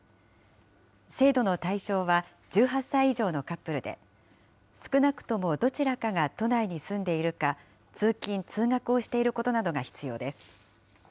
制度の対象は、１８歳以上のカップルで、少なくともどちらかが都内に住んでいるか、通勤・通学をしていることなどが必要です。